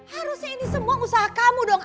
harusnya ini semua usaha kamu dong